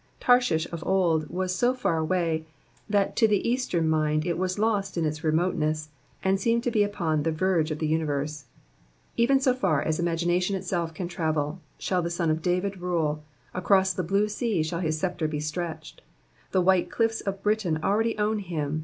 Tarshish of old was so far away, that to the eastern mind it was lost in its remoteness, and seemed to be upon the verge of the universe ; even so far as imngination itself can travel, shall the Son of Digitized by VjOOQIC 820 EXPOSITIONS OF THE PSALMS. David rule ; across the blue sea shall his sceptre be stretched ; the "white cliffs of Britain already own him.